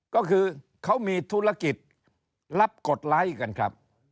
ก็คือเขามีธุรกิจรับกดไลค์กันครับ